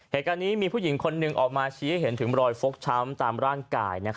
เหตุการณ์นี้มีผู้หญิงคนหนึ่งออกมาชี้ให้เห็นถึงรอยฟกช้ำตามร่างกาย